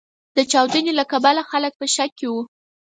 د چاودنې له کبله خلګ په شک کې و.